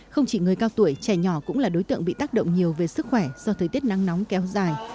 không chỉ người cao tuổi trẻ nhỏ cũng là đối tượng bị tác động nhiều về sức khỏe do thời tiết nắng nóng kéo dài